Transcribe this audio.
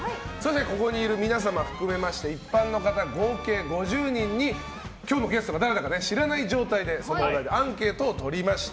ここにいる皆様含めまして一般の方合計５０人に今日のゲストが誰だか知らない状態で、そのお題でアンケートをとりました。